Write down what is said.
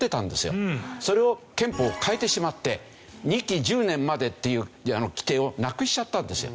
それを憲法を変えてしまって２期１０年までっていう規定をなくしちゃったんですよ。